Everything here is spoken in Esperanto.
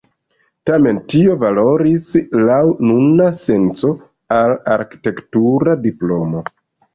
Tamen tio valoris laŭ nuna senco al arkitektura diplomo.